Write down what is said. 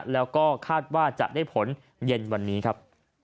แล้วก็คาดว่าจะได้ผลเย็นวันนี้ครับ